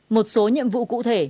một số nhiệm vụ cụ thể